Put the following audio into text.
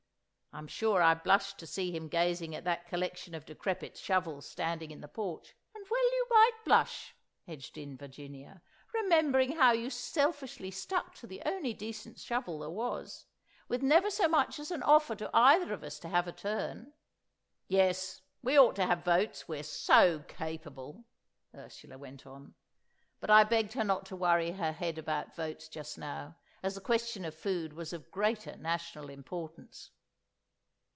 I'm sure I blushed to see him gazing at that collection of decrepit shovels standing in the porch——" "And well you might blush," edged in Virginia, "remembering how you selfishly stuck to the only decent shovel there was, with never so much as an offer to either of us to have a turn." "—Yes, we ought to have votes, we're so—capable!" Ursula went on, but I begged her not to worry her head about votes just now, as the question of food was of greater national importance.